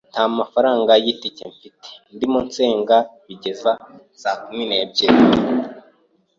nta mafaranga y’itike mfite, ndimo nsenga bigeze sa kumi n’ebyiri ,